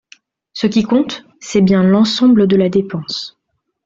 Ce qui compte, c’est bien l’ensemble de la dépense.